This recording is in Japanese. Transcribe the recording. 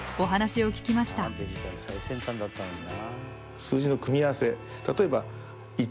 デジタル最先端だったのにな。